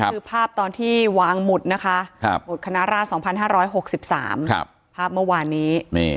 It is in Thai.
ค่ะนี่คือภาพตอนที่วางหมุดนะคะหมุดคณราชสองพันห้าร้อยหกสิบสามภาพเมื่อวานนี้